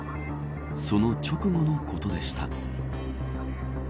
その直後のことでした。